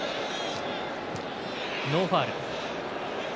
ノーファウル。